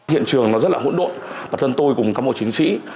hiện trường nó rất là hỗn độn bản thân tôi cùng các bộ chiến sĩ